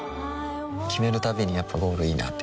決めるたびにやっぱゴールいいなってふん